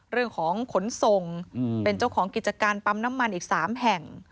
ขนส่งเป็นเจ้าของกิจการปั๊มน้ำมันอีก๓แห่ง